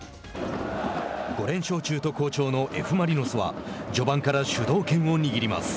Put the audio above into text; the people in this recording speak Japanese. ５連勝中と好調のＦ・マリノスは序盤から主導権を握ります。